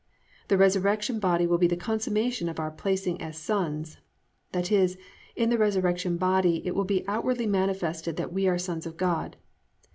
"+ The resurrection body will be the consummation of our placing as sons, i.e., in the resurrection body it will be outwardly manifested that we are sons of God.